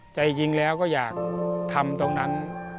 ใจจริงแล้วก็อยากทำตรงนั้น